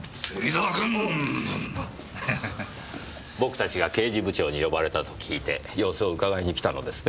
僕たちが刑事部長に呼ばれたと聞いて様子をうかがいに来たのですね。